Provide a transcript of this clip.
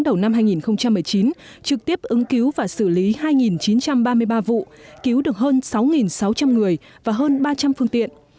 đầu năm hai nghìn một mươi chín trực tiếp ứng cứu và xử lý hai chín trăm ba mươi ba vụ cứu được hơn sáu sáu trăm linh người và hơn ba trăm linh phương tiện